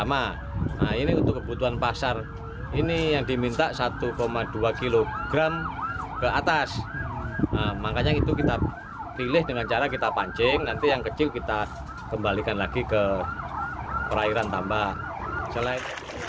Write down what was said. makanya itu kita pilih dengan cara kita pancing nanti yang kecil kita kembalikan lagi ke perairan tambak